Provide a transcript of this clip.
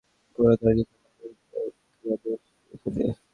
আবার যারা তিনটি মৌসুমে ব্যবসা করে, তারা ডিসেম্বর পর্যন্ত ক্রয়াদেশ দিয়ে দিয়েছে।